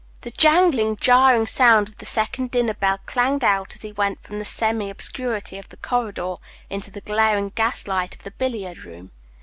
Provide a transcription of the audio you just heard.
The jangling, jarring sound of the second dinner bell clanged out as he went from the semi obscurity of the corridor into the glaring gas light of the billiard room.